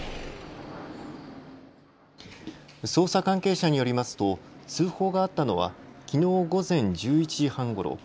捜査関係者によりますと通報があったのはきのう午前１１時半ごろ。